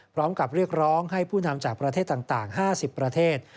เรียกร้องให้ผู้นำจากประเทศต่าง๕๐ประเทศ